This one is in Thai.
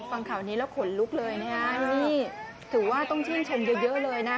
ฟังข่าวนี้แล้วขนลุกเลยนะฮะนี่ถือว่าต้องชื่นชมเยอะเลยนะ